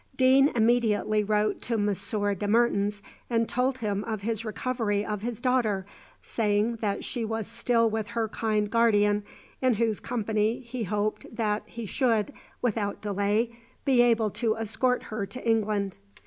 Deane immediately wrote to Monsieur de Mertens, and told him of his recovery of his daughter, saying that she was still with her kind guardian, in whose company he hoped that he should, without delay, be able to escort her to England.